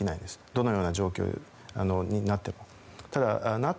どのような状況になっても。